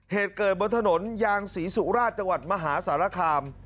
เหตุเกิดบนถนนยางศรีสุราชจังหวัดมหาสารคาม